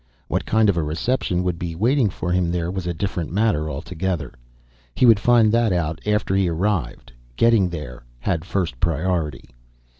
What kind of a reception would be waiting for him there was a different matter altogether. He would find that out after he arrived. Getting there had first priority.